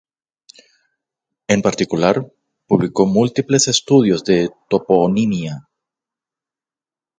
En particular, publicó múltiples estudios de toponimia.